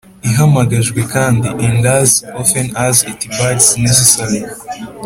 ihamagajwe kandi and as often as it bids necessary